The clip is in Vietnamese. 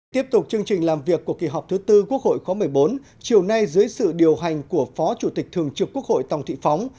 tiếp tục chương trình làm việc của kỳ họp thứ tư quốc hội khóa một mươi bốn chiều nay dưới sự điều hành của phó chủ tịch thường trực quốc hội tòng thị phóng